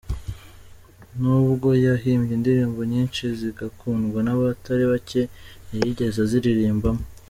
N’ubwo yahimbye indirimbo nyinshi zigakundwa n’abatari bake, ntiyigize aziririmbamo.